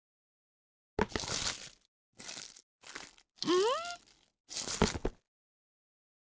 うん？